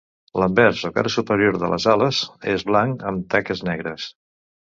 L'anvers o cara superior de les ales és blanc amb taques negres.